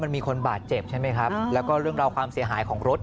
มันมีคนบาดเจ็บใช่ไหมครับแล้วก็เรื่องราวความเสียหายของรถ